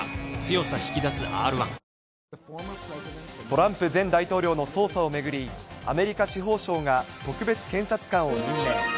トランプ前大統領の捜査を巡り、アメリカ司法省が特別検察官を任命。